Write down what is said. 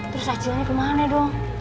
terus acilnya kemana dong